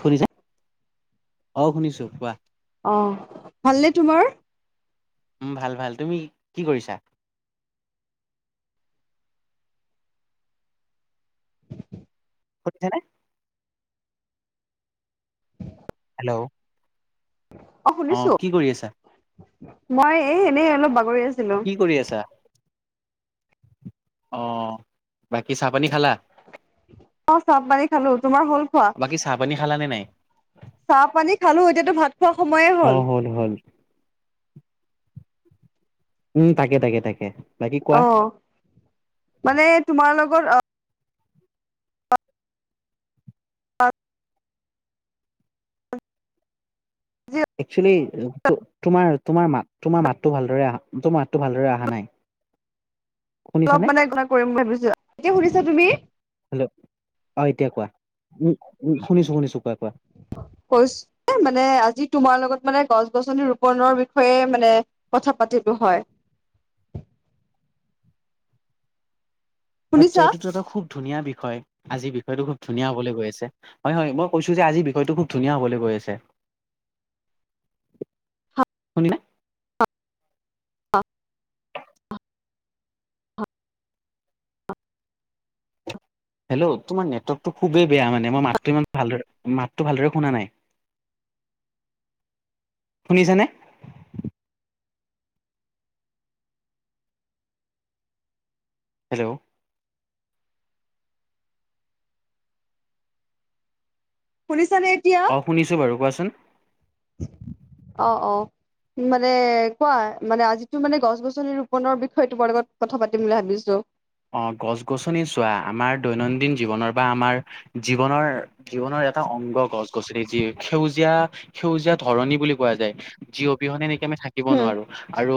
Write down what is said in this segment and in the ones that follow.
শুনিছা অ শুনিছো কোৱা। অ ভালনে তোমাৰ। উম ভাল ভাল তুমি কি কৰিছা। শুনিছানে। হেল্ল'। অ শুনিছো কি কৰি আছা মই এ এনেই অলপ বাগৰি আছিলো। পৰি আছা। অ বাকী চাহপানী খালা। অ চাহ পানী খালো তোমাৰ হ'ল খোৱা। বাকী চাহ পানী খালা নে নাই। চাহ পানী খালো এতিয়াতো ভাত খোৱা সময়ে অ হ'ল। হ'ল হ'ল। উম তাকে তাকে তাকে। বাকী কোৱা অ মানে তোমাৰ লগত অ অঁ আজি একচুৱেলি তো তোমাৰ, তোমাৰ মাত তোমাৰ মাতটো ভালদৰে অহা তোমাৰ মাতটো ভালদৰে অহা নাই! শুনিছানে অলপ মানে গনা কৰিম ভাবিছোঁ! এতিয়া শুনিছা তুমি? হেল্ল' অঁ এতিয়া কোৱা শুনিছোঁ শুনিছোঁ কোৱা কোৱা কৈছো মানে আজি তোমাৰ লগত মানে গছ গছনি ৰোপনৰ বিষয়ে মানে কথা পাতিলো হয় আচ্ছা শুনিছা এইটোতো এটা খুব ধুনীয়া বিষয় আজিৰ বিষয়টো খুব ধুনীয়া হবলৈ গৈ আছে হয় হয় মই কৈছো যে আজি বিষয়টো খুব ধুনীয়া হ'বলৈ গৈ আছে [unintelligible] শুনিছা অঁ হেল্ল' তোমাৰ নেটৱৰ্কটো খুবেই বেয়া মানে মই মাতটো ইমান ভালদৰে মাতটো ভালদৰে শুনা নাই অ শুনিছানে। হেল্ল'। শুনিছানে এতিয়া। অঁ শুনিছো বাৰু কোৱাচোন। অ অ মানে কোৱা মানে আজিতো মানে গছ গছনি ৰোপনৰ বিষয়ে তোমাৰ লগত কথা পাতিম বুলি ভাবিছো অ গছ গছনি চোৱা আমাৰ দৈনন্দিন জীৱনৰ বা আমাৰ জীৱনৰ, জীৱনৰ এটা অংগ গছ-গছনি যি সেউজীয়া সেউজীয়া ধৰণী বুলি কোৱা যায়। যি অবিহনে নেকি আমি থাক্ কিব উম, নোৱাৰো আৰু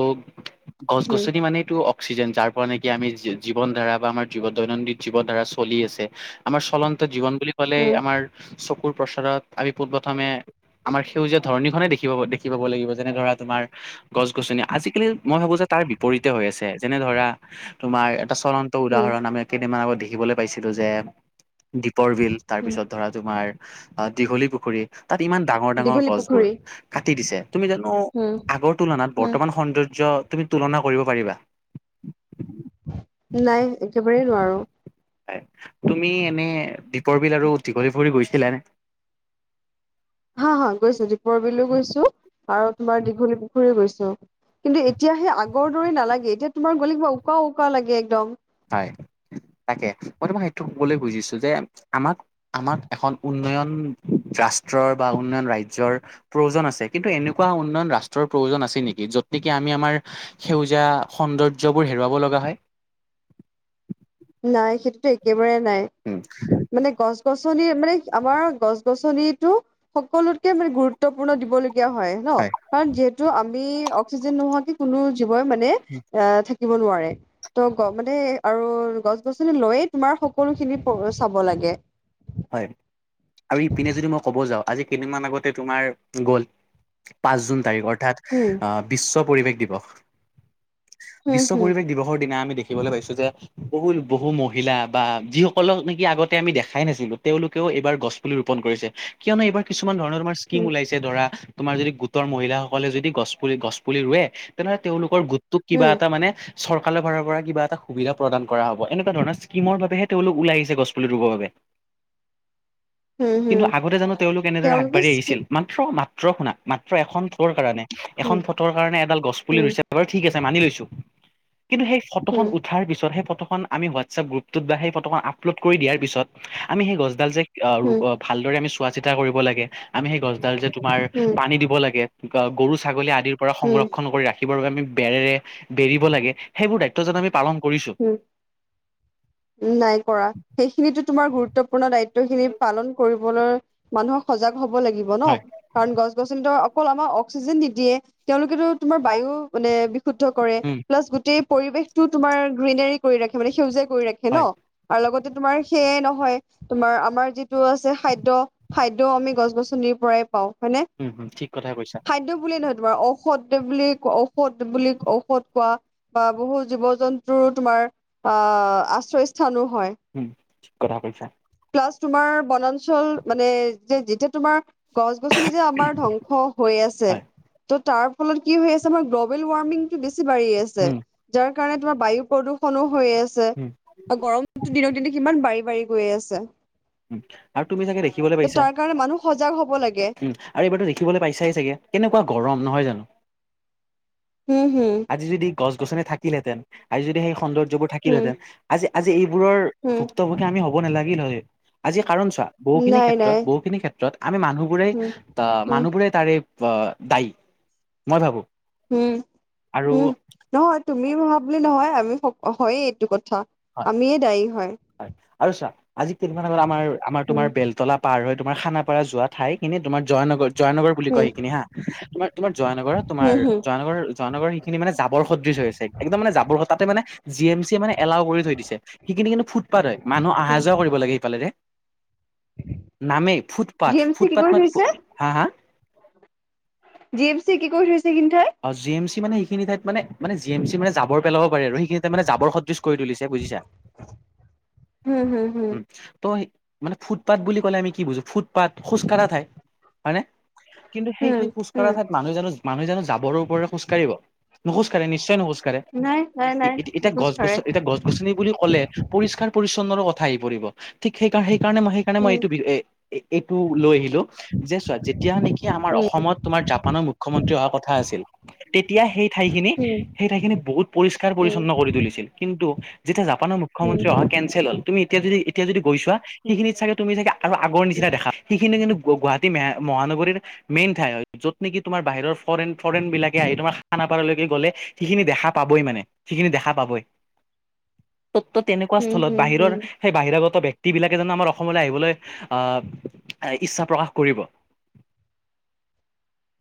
উম, গছ-গছনি মানেটো অক্সিজেন। যাৰ পৰা নেকি আমি জীৱন ধাৰা বা আমাৰ জীৱ দৈনন্দিন জীৱন ধাৰা চলি আছে। আমাৰ চলন্ত জীৱন বুলি ক'লে উম, আমাৰ চকুৰ প্ৰচাৰত আমি পোন প্ৰথমে আমাৰ সেউজীয়া ধৰণীখনেই দেখি পাব, দেখি পাব লাগিব যেনে- ধৰা তোমাৰ গছ-গছনি আজিকালি মই ভাৱোঁ যে তাৰ বিপৰীতে হৈ আছে। যেনে ধৰা তোমাৰ এটা চলন্ত উম। উদাহৰণ আমি কেইদিনমান আগত দেখিবলৈ পাইছিলো যে দ্বীপৰ বিল তাৰপিছত ধৰা তোমাৰ দীঘলী পুখুৰী তাত ইমান ডাঙৰ ডাঙৰ দীঘলী গছবোৰ পুখুৰী কাটি দিছে। তুমি জানো উম আগৰ তুলনাত উম বৰ্তমান সৌন্দৰ্য তুমি তুলনা কৰিব পাৰিবা? নাই। একেবাৰেই নোৱাৰোঁ। তুমি এনে দ্বীপৰ বিল আৰু দীঘলী পুখুৰী গৈছিলা নে? হাঁ, হাঁ গৈছোঁ। দ্বীপৰ বিলো গৈছোঁ আৰু তোমাৰ দীঘলী পুখুৰীও গৈছোঁ। কিন্তু এতিয়া সেই আগৰ দৰে নালাগে। এতিয়া তোমাৰ গ'লে কিবা উকা উকা লাগে একদম। হয়, তাকে। মই তোমাক সেইটো ক'বলে খুজিছোঁ যে আমাক আমাক এখন উন্নয়ন ৰাষ্ট্ৰৰ বা উন্নয়ন ৰাজ্যৰ প্ৰয়োজন আছে কিন্তু এনেকুৱা উন্নয়ন ৰাষ্ট্ৰৰ প্ৰয়োজন আছে নেকি? য'ত নেকি আমি আমাৰ সেউজীয়া সৌন্দৰ্যবোৰ হেৰুৱাব লগা হয়। নাই, সেইটোতো একেবাৰে নাই। উম। মানে, গছ-গছনি মানে, আমাৰ গছ-গছনটো সকলোতকে মানে, গুৰুত্বপূৰ্ণ দিবল গীয়া হয় ন'? কাৰণ যিহেতু আমি অক্সিজেন নোহোৱা কে কোনো জীৱই মানে আ থাক্ থাকিব নোৱাৰে। ত' গ মানে আৰু গছ-গছনিক লৈয়ে তোমাৰ সকলোখিনি প চাব লাগে। হয়, আৰু ইপিনে যদি মই ক'ব যাওঁ। আজি কেইদিনমান আগতে তোমাৰ গ'ল পাঁচ জুন তাৰিখ অৰ্থাৎ উম আঁ, বিশ্ব পৰিৱেশ দিৱস। হুম বিশ্ব হুম পৰিৱেশ দিৱসৰ দিনা আমি দেখ খিবলৈ পাইছোঁ যে বহু-বহু মহিলা বা যিসকলক নেকি আগতে আমি দেখাই নাছিলোঁ তেওঁলোকেও এইবাৰ গছপুলি ৰোপন কৰিছে। কিয়নো এইবাৰ কিছুমান ধৰণৰ তোমাৰ স্কীম হুম ওলাইছে ধৰা তোমাৰ যদি গোটৰ মহিলাসকলে যদি গছ পুলি, গছ পুলি ৰোৱে তেনেহ'লে তেওঁলোকৰ গোটটোক কিবা হুম এটা মানে চৰকাৰৰ ফালৰ পৰা কিবা এটা সুবিধা প্ৰদান কৰা হ'ব। এনেকুৱা ধৰণৰ স্কীমৰ বাবেহে তেওঁলোক ওলাই আহিছে গছপুলি ৰোবৰ বাবে। হুম হুম কিন্তু আগতে জানো তেওঁলোক এনেদৰে তেওঁলোকে আগবাঢ়ি আহিছিল। ষ্টি- মাত্ৰ -মাত্ৰ শুনা! মাত্ৰ এখন ফটো ৰ কাৰণে, হুম এখন ফটোৰ কাৰণে এডাল গছপুলি হুম ৰুইছে। বাৰু ঠিক আছে মানি লৈছো কিন্তু সেই ফটোখন হুম উঠাৰ পিছত সেই ফটোখন আমি হোৱাটছএপ গ্ৰুপটোত বা সেই ফটোখন আপলোড কৰি দিয়াৰ পিছত আমি সেই গছডাল যে অ হুম ৰুব ভালদৰে আমি চোৱা চিতা কৰিব লাগে। আমি সেই গছডাল যে তোমাৰ হুম পানী দিব লাগে। গ গৰু ছাগলী আদিৰ পৰা হুম সংৰক্ষণ কৰি ৰাখ খিবৰ বাবে আমি বেৰেৰে বেৰিব লাগে। সেইবোৰ দায়িত্ব যে আমি পালন কৰিছোঁ। উম, নাই কৰা। সেইখিনিটো তোমাৰ গুৰুত্বপূৰ্ণ দায়িত্বখিনি পালন কৰিবলৈ মানুহ সজাগ হ'ব লাগিব ন'? হয় কাৰণ গছ-গছনিতো অকল আমাক অক্সিজেন নিদিয়ে। তেওঁলোকেতো তোমাৰ বায়ু মানে বি শুদ্ধ কৰে। উম প্লাছ গোটেই পৰিৱেশটো তোমাৰ গ্ৰীনেৰী কৰি ৰাখে মানে, সেউজীয়া কৰি ৰাখে হয় ন'? আৰু লগতে তোমাৰ সেয়াই নহয়। তোমাৰ আমাৰ যিটো আছে খাদ্য খাদ্যয় আমি গছ, - গছনিৰ পৰাই পাওঁ হয়নে। উম হম ঠিক কথা কৈছা। খাদ্য বুলিয়ে নহয় তোমাৰ ঔষধ, বুলি ক ঔষধ বুলি ঔষধ কোৱা- বা বহু জীৱ -জন্তুৰো তোমাৰ আহ আশ্ৰয়স্থলো হয়। কথা কৈছা। প্লাছ তোমাৰ বনাঞ্চল মানে যে যেতিয়া তোমাৰ গছ- গছনি যে আমাৰ ধ্বংস - অ হৈ আছে হয় ত' তাৰ ফলত কি হৈ আছে আমাৰ গ্ল'বেল ৱাৰ্মিং টো বেছি বাঢ়ি আছে। উম যাৰ কাৰণে তোমাৰ বায়ু, প্ৰদূষণো হৈ আছে উম গৰম- দিনক দিনে কিমান বাঢ়ি বাঢ়ি গৈয়ে আছে। উম আৰু তুমি চাগে দেখিবলৈ ত' পাইছা তাৰ কাৰণে মানুহ সজাগ হব লাগে উম। আৰু এইবাৰো দেখিবলৈ পাইছাই চাগে কেনেকুৱা গৰম নহয় জানো। উম হুম আজি যদি গছ- গছনি থাকিলহেতেন আজি যদি সেই সৌন্দৰ্যবোৰ হম থাকিলহেঁতেন আজি আজি এইবোৰৰ। হম ভুক্তভোগী আমি হ'ব নালাগিল হয় আজি কাৰণ চোৱা। বহুখিনি নাই ক্ষেত্ৰত নাই বহুখিনি ক্ষেত্ৰত আমি মানুহবোৰে হম আহ হম মানুহবোৰে তাৰে এই দায়ী মই ভাবো। উম হম আৰু নহয় তুমি ভা বুলি নহয় আমি হয়েই এইটো কথা। আমিয়ে দায়ী হয়। আৰু চা আজি কেইদিনমান আগত আমাৰ আমাৰ উম, তোমাৰ বেলতলা পাৰ হয় তোমাৰ খানাপাৰা যোৱা ঠাইখিনি তোমাৰ জয়ানগৰ জয়ানগৰ বুলি কয় হুম, সেইখিনি হা তোমাৰ তোমাৰ জয়ানগৰ তোমাৰ হুম, হুম, জয়ানগৰ জয়ানগৰ সেইখিনি মানে জাবৰ সদৃশ হৈছে একদম মানে জাবৰ স তাতে মানে। জি এম চিয়ে মানে এলাও কৰি থৈ দিছে সিখিনি কিন্তু ফুটপাথ হয় মানুহ অহা হুম। যোৱা কৰিব লাগে সফালে দে। নামেই জি ফুটপাথ এম চি কি ফুটপাথ কৰি মান। থৈছে? হা হা জি এফ চি কি কৰি থৈছে কিন্ত ই অ জি এম চি মানে সেইখিনি ঠাইত মান মানে জিমি মানে জাবৰ পেলাব পাৰে আৰু সেইখিন ঠাই মানে জৰ সদৃশ কৰি তুলিছে। বুজিছা হুম, হুম, হুম, উ ত' মানে ফুটপাথ বুলি ক'লে আমি কি বুজো ফুটপাথ খোজ কঢ়া ঠাই হয়নে। কিন্তু সেই হুম, সেই খোজকাঢ়া হুম। ঠাইত মানুহো মানুহ জানো যাবৰওপৰে খোজকাঢ়িব। নোখোজ কাঢ়ে নিশ্চয় নোখোজকাঢ়ে নাই, নাই, নাই এতি এতিয়া নোখোজ গছ -গছ কাঢ়ে। এতিয়া গছ গছ-গছনি, বুলি ক'লে পৰিস্কাৰ পৰিচ্ছন্নৰ কথা আহি পৰিব ঠিক সেইকাৰ সেইকাৰণে মই কাৰণে মই উম, এইটো এ এইটো লৈ আহিলো। যে চোৱা যেতিয়া নেকি আমাৰ উম, অসমত তোমাৰ জাপানৰ, মুখ্যমন্ত্ৰী অহা কথা আছিল। তেতিয়া সেই ঠাইখিনি উম, সেই ঠাইখিনিত বহুত পৰিষ্কাৰ উম, পৰি্ছন্ন কৰি তুলিছিল। কিন্তু যেতিয়া জাপানৰ উম, মুখ্যমন্ত্ৰী অহা কেনঞ্চেল হল তুমি এতিয়া যদি এতিয়া যদি গৈছোৱা উম, সেইখিনিত ছাগে। তুমি চাগে আৰু আগৰ নিচিনা দেখা সেইখিনি কিন্তু গুৱাহাটী মহানগৰীৰ। মেইন ঠাই হয়, য'ত নেকি তোমাৰ বাহিৰৰ ফৰেন, ফৰেন বিলাকে আহি তোমাৰ খানাপাৰালকে গ'লে সেইখিনি দেখা পাবই মানে, সিখিনি দেখা পাবই। তত্ব তেনেকুৱা উম, স্থলত উম, বাহিৰৰ উম। সেই বাহিৰাগত ব ব্যক্ত বিলাকে যোন আমাৰ অসমলৈ আহিবলৈ আহ, ইচ্ছা প্ৰকাশ কৰিব।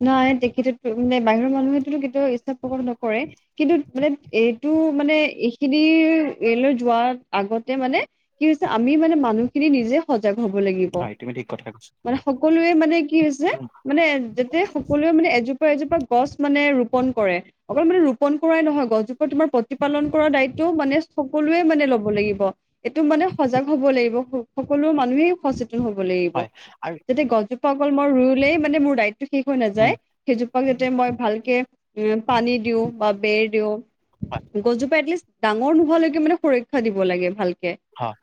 নাই তেখেতো মানে বাহিৰৰ মানুহো কেতিয়াও ইচ্ছা প্ৰকাট নকৰে। কিন্তু মানে এইটো মানে এইখিনিৰৈ যোৱাৰ আগতে মানে কি হৈছে, আমি মানে মানুহখিনি নিজে সজাগ হব লাগিব। হয় তুমি ঠিক কথা কৈছা মানে সকলোৱে মানে কি হৈছে উম মানে যে সকলোৱে মানে এজোপা, এজোপা গছ মানে ৰোপন কৰে, অকল মানে ৰোপন কৰাই নহয় গছজোপ তোমাৰ প্ৰতিপালন কৰা দায়িত্বটো মানে সকলোৱে মানে লব লাগিব। এইটো মানে সজাগ হ'ব লাগিব, সকলো মানুহেই সচেতন হ'ব লাগিব, হয় আৰু যাতে গছজুপা- অকল মই ৰুলেই মানে মোৰ দাইতটো শেষ হৈ উম নাযায়, সেইজোপাক যাতে মই ভালকে- উম পানী দিওঁ বা বেৰ দিওঁ। হয় গছজোপা এটলিষ্ট ডাঙৰ নোহোৱালৈকে মানে সুৰক্ষা দিব লাগে ভালকে।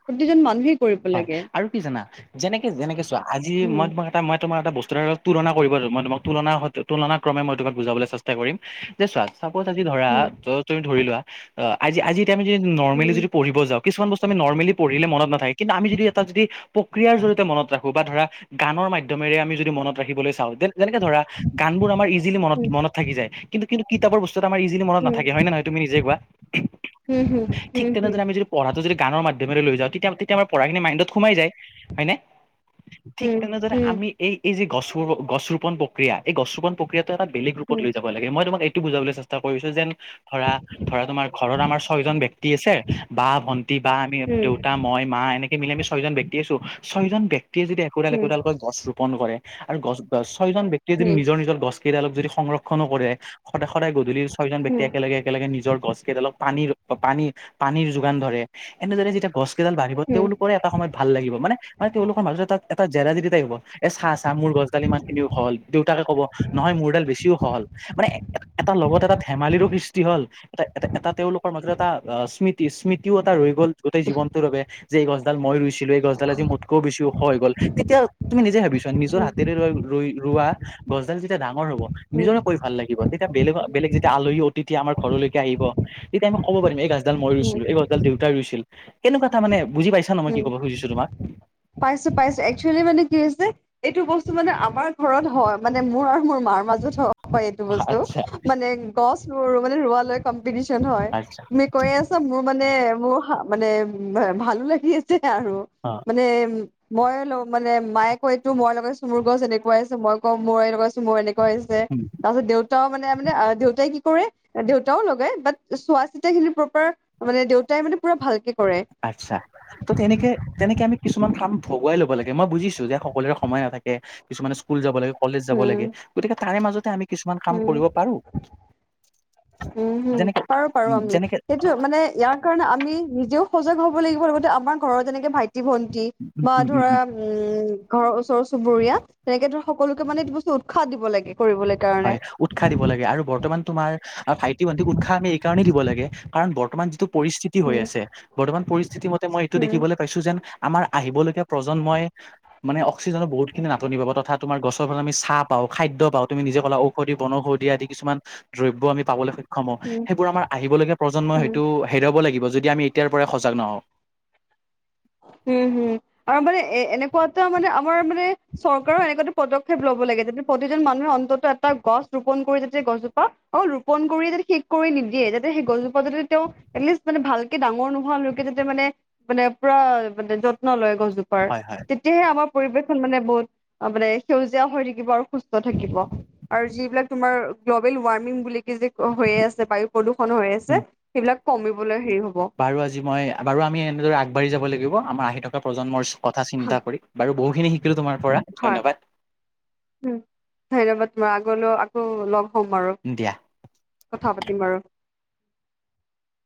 প্ৰতিজন মানুহেই কৰিব হয় লাগে আৰু কি জানা যেনেকে যেনেকে চোৱা আজি উম মই তো এ মই তোমাৰ এটা বস্তু তুলনা কৰিব মই তো তুলন তুলনা ক্ৰমে মই তোমাক বুজাবলৈ চেষ্টা কৰিম যে চোৱা- চাপজ আজি ধৰা উম তুমি ধৰি লোৱা আজি আমি যদি নৰ্মেলি উম যদি পঢ়িব যাওঁ কিছুমান বস্তুটো- নৰ্মেলি পঢ়িলে মন নথাকে কিন্তু আমি যদি এটা যদি প্ৰক্ৰিয়াৰ জৰিয়তে মনত ৰাখো বা ধৰা- গানৰ মাধ্যমৰে আমি যদি মনত ৰাখিবলৈ চাওঁ যেনেকে ধৰা গান বোৰ আমাৰ ই জিলি মনত উম মত থাকি যায় কিন্তু কিন্তু কিতাপৰ বস্তুত আমাৰ ইজিলি মত উম নাথাকে হয় নহয় তুমি নিজে কোৱা। উম, হুম, ঠিক হুম, তেনেদৰে হুম। আমি যদি পঢ়াটো যদি গানৰ মাধ্যমেৰে লৈ যাওঁ তেতি তেতিয়া আমাৰ পঢ়াখিনি মাইণ্ডত সোমাই যায় হয়নে। উম উম ঠিক উম তেনেদৰে আমি এই যে গছ গছ ৰোপন প্ৰক্ৰিয়া, এই গছ ৰোপন প্ৰক্ৰিয়াটো এটা বেলেগ উম ৰূপত লৈ যাব। লাগে মই তোমাক এইটো বুজাবলৈ চেষ্টা কৰিছো যেন- ধৰা, ধৰা তোমাৰ ঘৰত আমাৰ ছয়জন ব্যক্তি আছে বা ভন্টি বা আমি দেউতা- মই মা এনেকে মিলি আমি ছয়জন ব্যক্তি আছো ছয়জন ব্যক্তিয়ে যদি একোডাল উম উম উম একোডাল কৈ- গছ ৰোপন কৰে আৰু গছ ছয়জন ব্যক্তিয়ে যদি নিজৰ নিজৰ গছ- কেইডালক যদি সংৰক্ষণো কৰে, সদায় সদায় গধূলি ছয়জন ব্যক্তি একেলগে একেলগে নিজৰ গছ কেইডালক- পানীৰ, পানী, পানীৰ যোগান ধৰে, এনেদৰে যেতিয়া গছ কেইডাল বাঢ়িব উম তেওঁলোকৰ এটা সময়- ভাল লাগিব মানে, মান তেওঁলোকৰ মাজত এটা জেডা জেদি টাইপ হ'ব। এ, চাহ, চাহ মোৰ গছডাল ইমান খিনি ওখ হ'ল দেউতাকে কব নহয় মোৰডাল বেছিও উখ হ'ল। মানে এটা লগত এটা ধেমালিৰো সৃষ্টি হ'ল। এটা, এটা, এটা তেওঁলোকৰ মাজত এটা স্মৃতি, স্মৃতিও এটা ৰৈ গ'ল গোটেই জীৱনটোৰ বাবে। যে এই গছডাল মই ৰুইছিলো এই গছডাল আজি মতকৈও বেচি ওখ হৈ গ'ল তেতিয়া তুমি নিজে ভাবিছোৱা নিজৰ হাত তে ৰ ৰ ৰোৱা গছডাল যেতিয়া ডাঙৰ হ'ব উম নিজৰে- ভাল লাগিব, তেয়া বলে-বেলেগ যেতিয়া আলহী, অতিথি আমাৰ ঘৰলৈকে আহিব, তেতিয়া আমি ক'ব পাৰিম এই- এডাল মই উম উম ৰুইছিলো, এই এডাল দেউতাই ৰুইছিল কেনেকুৱা এ, মানে বুজি পাইছা ন, মই উম, কি কব খুজিছো তোমাক। পাইছো পাইছো একচুৱেলি মানে কি হৈছে। এইটো বস্তু মানে আমাৰ ঘৰত হয়, মানে, মোৰ আৰু মোৰ মাৰ মাজত হয়। হয় এইটো বস্তু আচ্ছা মানে গছ মানে ৰোৱালৈ কম্পিটিচন হয় আচ্ছা তুমি কৈ আছা। মোৰ মানে মোৰ মানে ভালো লাগি আছে আৰু। অ'। মানে উ, মই মানে মায়ে কয়টো মোৰ লগত চুমুৰ গছ এনেকুৱা - আছো মই ক মই এনেক কৈছো মোৰ এনেকুৱাছে। উম, তাৰপাছত দেউতাও মানে মানে দেউতাই কি কৰে, দেউতাও লগাই চোৱা চিতা খিনি প্ৰপাৰ- মানে দেউতাই মানে পুৰা ভালকে কৰে। আচ্ছা ত, তেনেকে, তেনেকে আমি কিছুমান কাম- ভগুৱাই লব লাগে মই বুজিছো যে সকলোৰে সময় নাথাকে, কিছুমানে স্কুল যাব লাগে কলেজ যাব উম লাগে। গতিকে তাৰে মাজতে আমি কিছুমান কাম উম কৰিব পাৰো। উম যেনেকে পাৰো পাৰো উম আমি যেনেকে সেইটো মানে ইয়াক- কাৰণে আমি নিজেও সজাগ হব লাগিব লগতে আমাৰ ঘৰৰ যেনেকে ভাইটি ভন্টি উম বা উম উম ধৰা- উম উম ঘৰৰ ওচৰ চুবুৰীয়া তেনেকে ধৰ সকলোকে মানে বস্তু উৎসাহ দিব লাগে কৰিব লাগে। হয় উৎসাহ দিব লাগে আৰু বৰ্তমান তোমাৰ ভাইটি ভণ্টিক উৎসাহ আমি এই কাৰণেই দিব লাগে। কাৰণ বৰ্তমান যিটো পৰিস্থিতি হৈ উম আছে বৰ্তমান পৰিস্থিতি মতে মই এইটো উম দেখিবলৈ। পাইছো যেন আমাৰ আহিব লগীয়া প্ৰজন্ময় মানে অক্সিজেনৰ বুহুত খিনি নাটনি পাব, তথা তোমাৰ গছৰ ফালে আমি চাহ পাওঁ, খাদ্য পাওঁ, তুমি নিজে ক'লা ঔষধি বনৌষধি আদি কিছুমান দ্ৰব্য আমি পাবলৈ সক্ষম হওঁ। উম সেইবোৰ আমাৰ আহিব লগীয়া প্ৰজন্মই উম হয়তো হেৰুৱাব লাগিব। যদি আমি এতিয়াৰ পৰাই সজাগ নহওঁ। হুম হুম। আৰু মানে এ এনেকুৱা এটা মানে আমাৰ মানে চৰকাৰও এনেকুৱা এটা পদক্ষেপ ল'ব লাগে যে প্ৰতিজন মানুহে অন্তত এ টা গছ ৰোপন কৰি যাতে গছজোপা অহ' ৰোপন কৰিয়ে যাতে শেষ কৰি নিদিয়ে যাতে সেই গছজোপা যাতে তেওঁ এটলিষ্ট মানে ভালকে ডাঙৰ নোহোৱালৈকে যাতে মানে মানে পুৰা মানে যত্ন লয় গছজোপাৰ, হয় হয় তেতিয়াহে আমাৰ পৰিৱেশখন মানে বহুত মানে সেউজীয়া হৈ থাকিব আৰু সুস্থ থাকিব। আৰু যিবিলাক তোমাৰ গ্ল'বেল ৱাৰ্মিং বুলি হৈ আছে, বায়ু প্ৰদূষণ হৈ উম আছে, সেইবিলাক কমিবলৈ সেৰি হ'ব। বাৰু আজি মই, বাৰু আমি এনেদৰে আগবাঢ়ি যাব লাগিব আমাৰ আহি থকা প্ৰজন্মৰ কথা চিন্তা কৰি। বাৰু বহু খিনি শিকিলো তোমাৰ পৰা। হয়, ধন্যবাদ ধন্যবাদ তোমাৰ আগলৈ আকৌ লগ হম বাৰু দিয়া কথা পাতিম বাৰু।